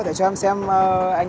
thì xong là mình